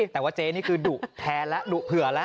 แต่ว่าเจ๊นี่คือดุแทนแล้วดุเผื่อแล้ว